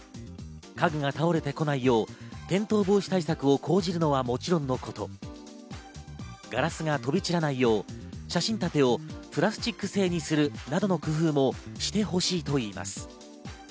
家具が倒れてこないよう転倒防止対策を講じるのはもちろんのこと、ガラスが飛び散らないよう、写真立てをプラスチック製にするなどの工夫もしてほしいと言います。